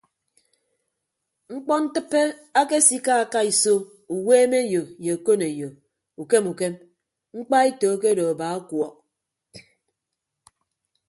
Mkpọntịppe akesikaaka iso uweemeyo ye okoneyo ukem ukem mkpaeto akedo aba ọkuọọk.